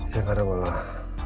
ya gak ada boh lah